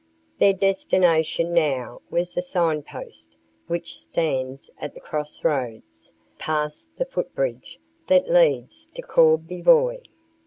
Their destination now was the sign post which stands at the cross roads, past the footbridge that leads to Courbevoie.